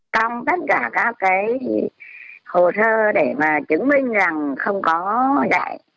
trong tất cả các hồ thơ để chứng minh rằng không có đại